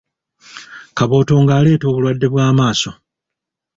Kabootongo aleeta obulwadde bw'amaaso.